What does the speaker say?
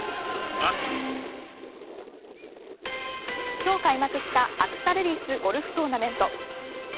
今日開幕したアクサレディスゴルフトーナメント。